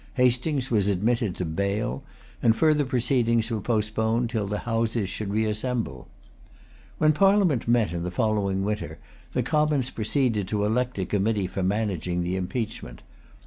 Hastings was admitted to bail; and further proceedings were postponed till the Houses should reassemble. When Parliament met in the following winter, the Commons proceeded to elect a committee for managing the impeachment.